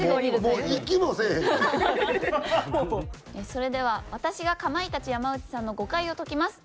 それでは「私がかまいたち山内さんの誤解を解きます」。